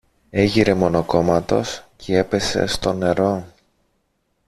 έγειρε μονοκόμματος κι έπεσε στο νερό.